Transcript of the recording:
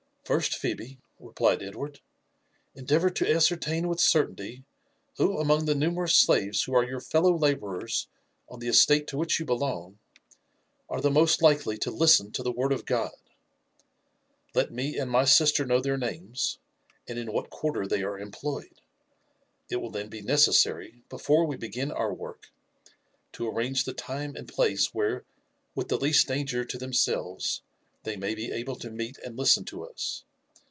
"First, Phebe," replied Edward, "endeavour to ascertain with certainty who among the nun{erous slaves who are your fellow la bourers on the estate to which you belong, are the most likely to listen to the word of God. Let me and my sister know their names, and in what quarter they are employed. It will then be necessary, before we begin our work, to arrange the time and place where, with the least danger to themselves, they may be able to meet and listen to us.